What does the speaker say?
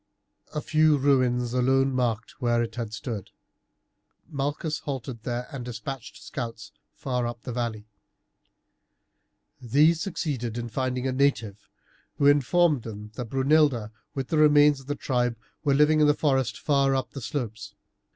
A few ruins alone marked where it had stood. Malchus halted there and despatched scouts far up the valley. These succeeded in finding a native, who informed them that Brunilda with the remains of the tribe were living in the forests far up on the slopes.